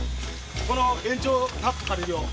この延長タップ借りるよ。